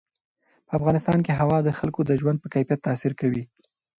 په افغانستان کې هوا د خلکو د ژوند په کیفیت تاثیر کوي.